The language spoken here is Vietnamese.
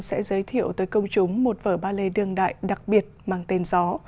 sẽ giới thiệu tới công chúng một vở ba lê đường đại đặc biệt mang tên gió